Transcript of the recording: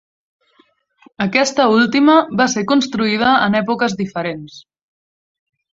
Aquesta última va ser construïda en èpoques diferents.